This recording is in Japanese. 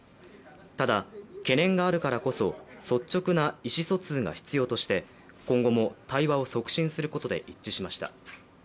ただ、懸念があるからこそ率直な意思疎通が必要として今後も対話を促進することで一致しました。